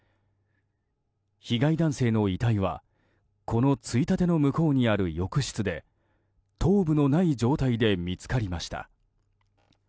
被害男性の遺体はこのついたての向こうにある浴室で頭部のない状態で見つかりました。